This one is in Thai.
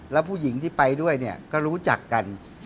แล้วผู้หญิงที่ไปด้วยเนี่ยก็รู้จักกัน